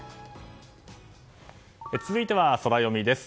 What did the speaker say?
続いてはソラよみです。